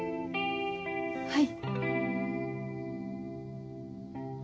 はい。